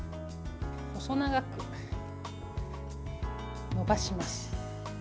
細長く伸ばします。